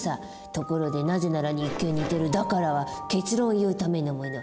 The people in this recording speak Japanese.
ところで「なぜなら」に一見似てる「だから」は結論を言うためのもの。